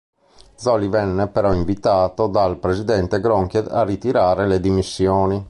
Zoli venne però invitato dal presidente Gronchi a ritirare le dimissioni.